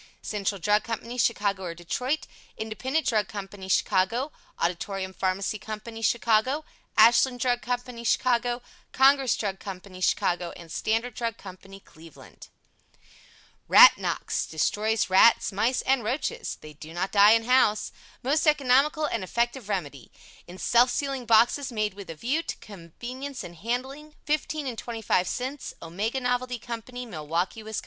CENTRAL DRUG COMPANY, Chicago or Detroit INDEPENDENT DRUG COMPANY, Chicago AUDITORIUM PHARMACY COMPANY, Chicago ASHLAND DRUG COMPANY, Chicago CONGRESS DRUG COMPANY, Chicago STANDARD DRUG COMPANY, Cleveland RAT NOX Destroys Rats, Mice and Roaches (Do not die in house) Most economical and effective remedy. In self sealing boxes made with a view to convenience in handling, 15 and 25 cents. OMEGA NOVELTY COMPANY, Milwaukee, Wis.